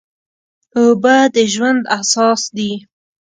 اوبه د ژوند اساس دي.